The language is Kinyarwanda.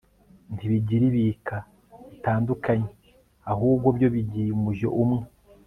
ntibigira ibika bitandukanye ahubwo byo bigiye umujyo umwe